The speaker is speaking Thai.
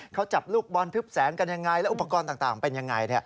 เขาจับลูกบอลทึบแสงกันยังไงแล้วอุปกรณ์ต่างเป็นยังไง